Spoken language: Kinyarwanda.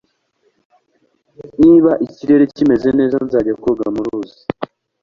niba ikirere kimeze neza, nzajya koga muruzi